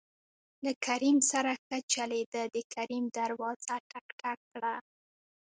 له کريم سره ښه چلېده د کريم دروازه ټک، ټک کړه.